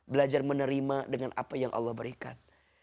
belajar menerima dengan apa yang allah berikan